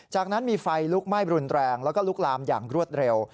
จากนั้นมีไฟลุกไหม้รุนแรงแล้วก็ลุกลามอย่างรวดเร็ว